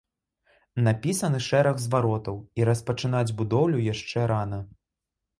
Напісаны шэраг зваротаў, і распачынаць будоўлю яшчэ рана.